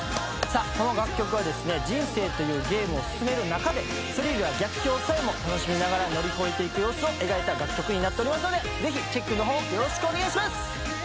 この楽曲はですね人生というゲームを進める中でスリルや逆境さえも楽しみながら乗り越えていく様子を描いた楽曲になっておりますのでぜひチェックの方よろしくお願いします。